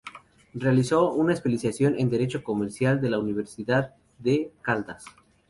Realizó una Especialización en Derecho Comercial de la Universidad de Caldas.